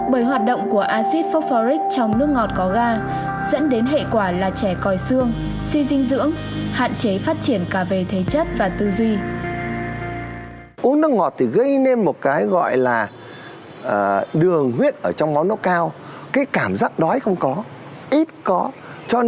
bởi hoạt động của acid phosphoric trong nước ngọt có ga